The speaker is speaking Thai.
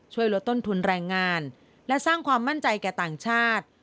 ช่วยลดต้นทุนแรงงานและสร้างความมั่นใจแก่ต่างชาติ